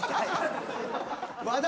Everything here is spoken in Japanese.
和田！